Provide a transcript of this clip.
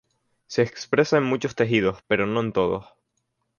Se expresa en muchos tejidos, pero no en todos.